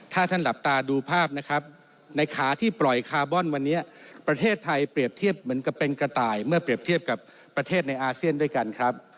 ถ้าท่านหลับตาดูภาพนะครับในขาที่ปล่อยคาร์บอนวันนี้ประเทศไทยเปรียบเทียบเหมือนกับเป็นกระต่ายเมื่อเปรียบเทียบกับประเทศในอาเซียนด้วยกันครับ